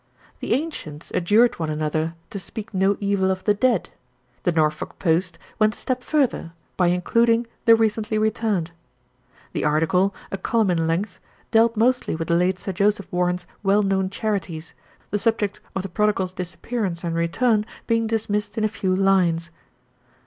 The ancients adjured one another to speak no evil of the dead, The Norfolk Post went a step further, by including the recently returned. The article, a column in length, dealt mostly with the late Sir Joseph Warren's well known charities, the subject of the prod igal's disappearance and return being dismissed in a few lines.